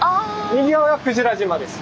右側が鯨島です。